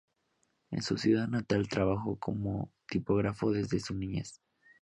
En su ciudad natal trabajó como tipógrafo desde su niñez.